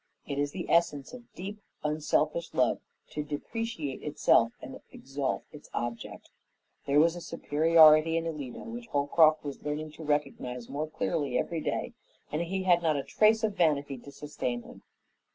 It is the essence of deep, unselfish love to depreciate itself and exalt its object. There was a superiority in Alida which Holcroft was learning to recognize more clearly every day, and he had not a trace of vanity to sustain him.